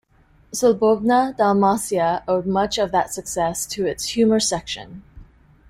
"Slobodna Dalmacija" owed much of that success to its humour section.